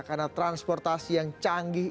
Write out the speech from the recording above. karena transportasi yang canggih